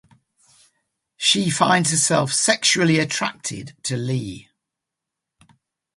She finds herself sexually attracted to Leigh.